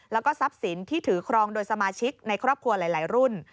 แล้วก็ทรัพย์สินที่ถือครองโดยสมาชิกในครอบครัวหลายรุ่น